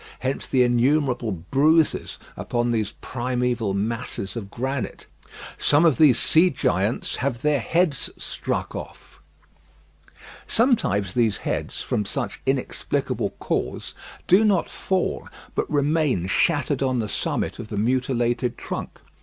Hence the innumerable bruises upon these primeval masses of granite. Some of these sea giants have their heads struck off. Sometimes these heads, from some inexplicable cause, do not fall, but remain shattered on the summit of the mutilated trunk.